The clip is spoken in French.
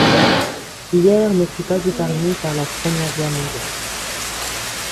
Lierre ne fut pas épargnée par la Première guerre mondiale.